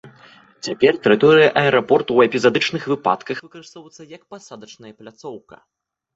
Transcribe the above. Цяпер тэрыторыя аэрапорту у эпізадычных выпадках выкарыстоўваецца як пасадачная пляцоўка.